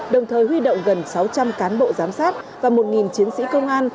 đồng thời huy động gần sáu trăm linh cán bộ giám sát và một chiến sĩ công an